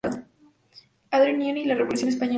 Andreu Nin y la revolución española".